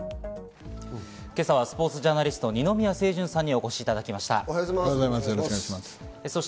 今朝はスポーツジャーナリスト・二宮清純さんにお越しいただきました。